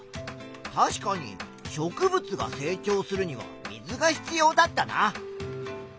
確かに植物が成長するには水が必要だったな。